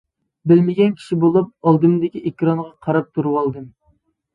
بىلمىگەن كىشى بولۇپ، ئالدىمدىكى ئېكرانغا قاراپ تۇرۇۋالدىم.